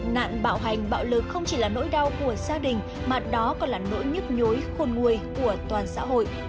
nạn bạo hành bạo lực không chỉ là nỗi đau của gia đình mà đó còn là nỗi nhức nhối khôn nguôi của toàn xã hội